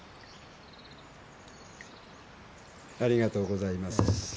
ありがとうございます。